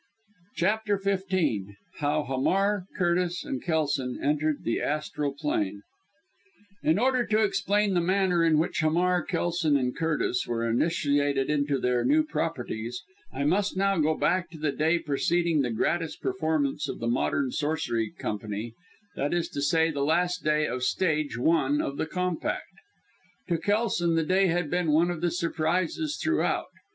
CHAPTER XV HOW HAMAR, CURTIS AND KELSON ENTERED THE ASTRAL PLANE In order to explain the manner in which Hamar, Kelson and Curtis were initiated into their new properties, I must now go back to the day preceding the gratis performance of the Modern Sorcery Company, that is to say the last day of stage one of the compact. To Kelson the day had been one of surprises throughout.